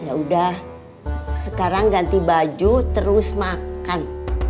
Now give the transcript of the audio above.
yaudah sekarang ganti baju terus makan